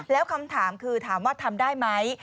แล้วคำถามคือถามว่าทำได้ไหม